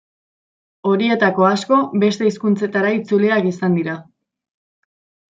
Horietako asko beste hizkuntzetara itzuliak izan dira.